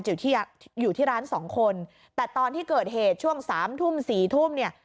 อยู่ที่อยู่ที่ร้านสองคนแต่ตอนที่เกิดเหตุช่วงสามทุ่มสี่ทุ่มเนี่ย